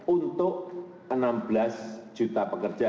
untuk enam belas juta pekerja